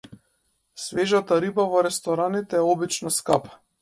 Свежата риба во рестораните е обично скапа.